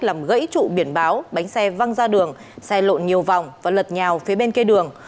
làm gãy trụ biển báo bánh xe văng ra đường xe lộn nhiều vòng và lật nhào phía bên kia đường